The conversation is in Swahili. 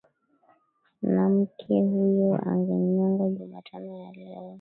namke huyo angenyongwa jumatano ya leo